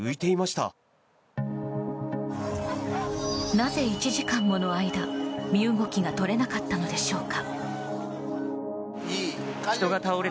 なぜ１時間もの間、身動きが取れなかったのでしょうか。